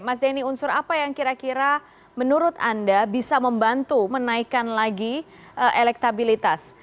mas denny unsur apa yang kira kira menurut anda bisa membantu menaikkan lagi elektabilitas